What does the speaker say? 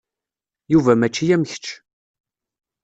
Yuba mačči am kečč.